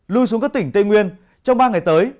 lui xuống các tỉnh tây nguyên trong ba ngày tới